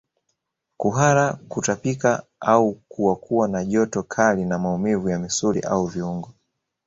Kuhara kutapika au kuwa kuwa na joto kali na maumivu ya misuli au viungo